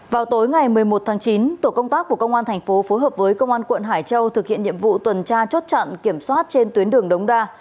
vào tối ngày một mươi một tháng chín tổ công tác của công an thành phố phối hợp với công an quận hải châu thực hiện nhiệm vụ tuần tra chốt chặn kiểm soát trên tuyến đường đống đa